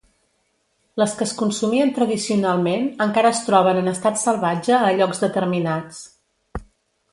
Les que es consumien tradicionalment encara es troben en estat salvatge a llocs determinats.